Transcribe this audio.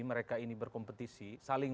mereka ini berkompetisi saling